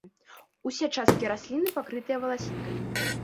Усе часткі расліны пакрытыя валасінкамі.